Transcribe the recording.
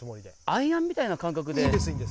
アイアンみたいな感覚で。